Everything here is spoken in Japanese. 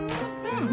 うん。